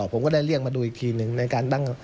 ผมก็ได้เรียกมาดูอีกทีหนึ่งในการตั้ง